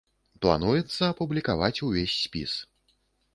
Плануецца апублікаваць увесь спіс.